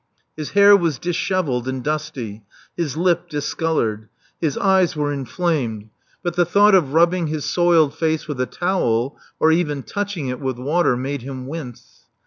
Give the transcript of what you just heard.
His hair was dishevelled and dusty; his lip discolored; his eyes were inflamed ; but 356 Love Among the Artists the thought of rubbing his soiled face with a towel, or even touching it with water, made him wince.